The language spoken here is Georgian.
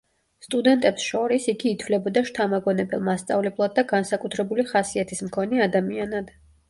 სტუდენტებს შორის, იგი ითვლებოდა შთამაგონებელ მასწავლებლად და განსაკუთრებული ხასიათის მქონე ადამიანად.